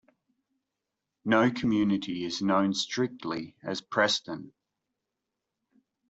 No community is known strictly as "Preston".